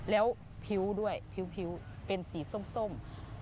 แล้วผิวด้วยผิวเป็นสีส้ม